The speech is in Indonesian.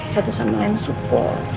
satu sama lain support